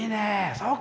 そうか！